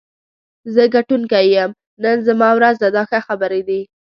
زه ګټونکی یم، نن زما ورځ ده دا ښه خبرې دي.